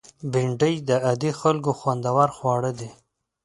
بېنډۍ د عادي خلکو خوندور خواړه دي